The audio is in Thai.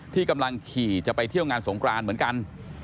ที่กำลังขี่จะไปเที่ยวงานสงครานเหมือนกัน